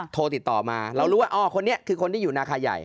โทรติดต่อมาเรารู้ว่าอ๋อคนนี้คือคนที่อยู่นาคาใหญ่